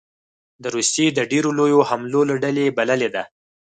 د روسیې د ډېرو لویو حملو له ډلې بللې ده